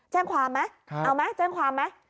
แจ้งความไหมเอาไหมแจ้งความไหม